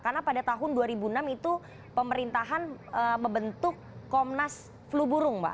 karena pada tahun dua ribu enam itu pemerintahan membentuk komnas flu burung pak